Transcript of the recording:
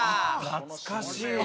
懐かしい。